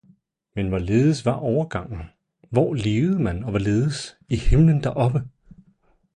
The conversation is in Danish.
men hvorledes var overgangen? Hvor levede man og hvorledes? I himlen deroppe!